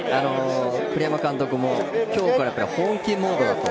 栗山監督も今日から本気モードだと。